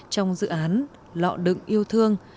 trong dự án lọ đựng yêu thương